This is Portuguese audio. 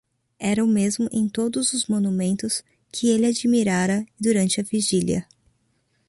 Era o mesmo em todos os monumentos que ele admirara durante a vigília.